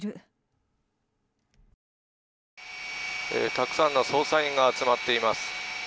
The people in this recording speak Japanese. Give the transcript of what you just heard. たくさんの捜査員が集まっています。